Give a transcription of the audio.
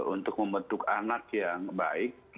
untuk membentuk anak yang baik